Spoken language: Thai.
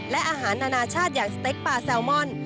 และอาหารนานาชาติอย่างสเต็กปลาแซลมอน